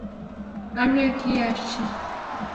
আমরা গিয়ে আসছি।